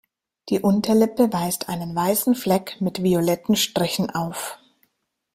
Die Unterlippe weist einen weißen Fleck mit violetten Strichen auf.